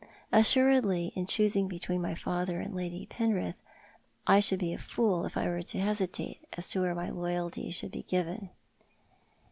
Assuredly in choosing between my father and Lady Penrith, I should be a fool if I were to hesitate as to where my loyalty should be given.